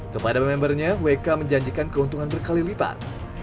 kepada membernya wk menjanjikan keuntungan berkali lipat